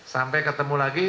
sampai ketemu lagi